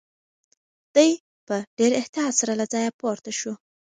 دی په ډېر احتیاط سره له ځایه پورته شو.